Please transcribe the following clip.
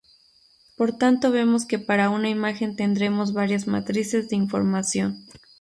Por tanto vemos que para una imagen tendremos varias matrices de información.